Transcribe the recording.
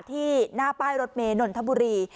ที่หน้าป้ายรถเมย์นนทบุรี